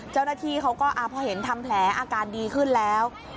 เจ้าหน้าที่เขาก็พอเห็นทำแผลอาการดีขึ้นแล้ว